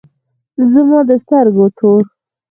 زما د سترگو تور